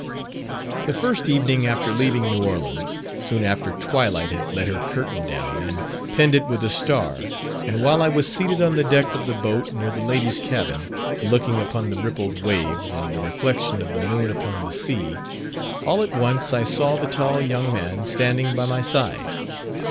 The first evening after leaving New Orleans, soon after twilight had let her curtain down, and pinned it with a star, and while I was seated on the deck of the boat, near the ladies' cabin, looking upon the rippled waves, and the reflection of the moon upon the sea, all at once I saw the tall young man standing by my side.